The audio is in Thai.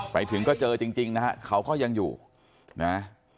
ไปถึงก็เจอจริงนะฮะเขาก็ยังอยู่นะ